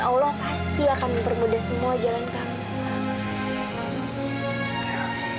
allah pasti akan mempermudah semua jalan kami